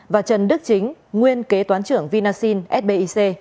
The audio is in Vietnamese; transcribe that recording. và trần đức chính nguyên kế toán trưởng vinasin sbic